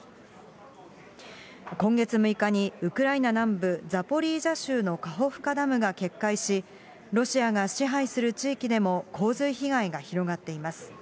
今月６日に、ウクライナ南部ザポリージャ州のカホフカダムが決壊し、ロシアが支配する地域でも洪水被害が広がっています。